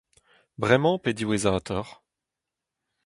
Bremañ pe diwezhatoc'h ?